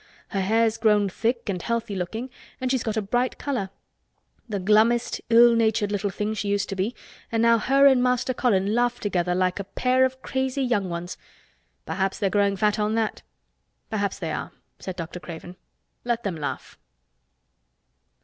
Her hair's grown thick and healthy looking and she's got a bright color. The glummest, ill natured little thing she used to be and now her and Master Colin laugh together like a pair of crazy young ones. Perhaps they're growing fat on that." "Perhaps they are," said Dr. Craven. "Let them laugh."